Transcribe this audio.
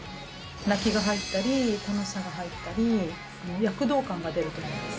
泣きが入ったり楽しさが入ったり躍動感が出ると思います。